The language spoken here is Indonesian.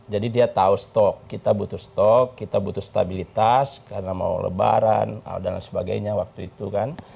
jadi dia tahu stok kita butuh stok kita butuh stabilitas karena mau lebaran dan sebagainya waktu itu kan